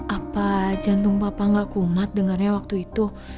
apa jantung papa gak kumat dengannya waktu itu